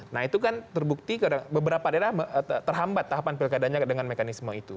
nah itu kan terbukti beberapa daerah terhambat tahapan pilkadanya dengan mekanisme itu